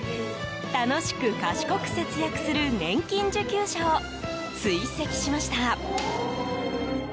楽しく賢く節約する年金受給者を追跡しました。